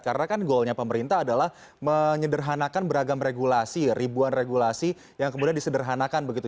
karena kan goalnya pemerintah adalah menyederhanakan beragam regulasi ribuan regulasi yang kemudian disederhanakan begitu